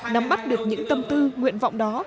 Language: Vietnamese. nắm bắt được những tâm tư nguyện vọng đó